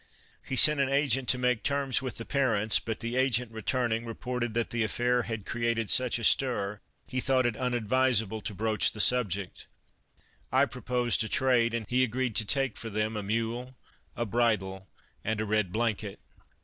He sent an agent to make terms with the parents, but the agent, returning, reported that the affair had created such a stir he thought it unadvisable to broach the subject. I proposed a trade, and he agreed to take for them a mule, a bridle and a red blanket.